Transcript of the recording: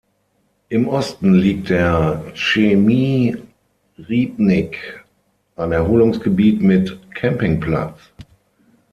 Im Osten liegt der Černý rybník, ein Erholungsgebiet mit Campingplatz.